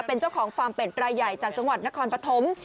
เป็นเจ้าของฟาร์มเป็ดรายใหญ่จากจังหวัดนครปฐม